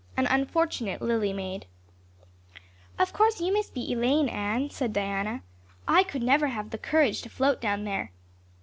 An Unfortunate Lily Maid OF course you must be Elaine, Anne," said Diana. "I could never have the courage to float down there."